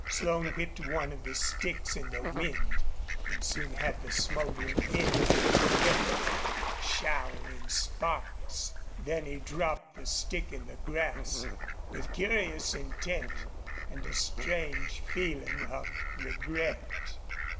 Slone whipped one of the sticks in the wind and soon had the smoldering end red and showering sparks. Then he dropped the stick in the grass, with curious intent and a strange feeling of regret.